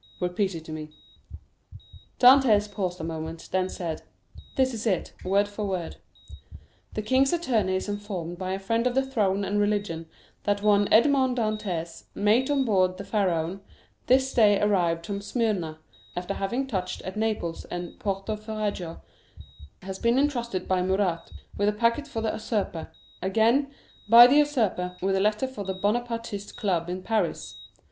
"Repeat it to me." Dantès paused a moment, then said, "This is it, word for word: 'The king's attorney is informed by a friend to the throne and religion, that one Edmond Dantès, mate on board the Pharaon, this day arrived from Smyrna, after having touched at Naples and Porto Ferrajo, has been intrusted by Murat with a packet for the usurper; again, by the usurper, with a letter for the Bonapartist Club in Paris.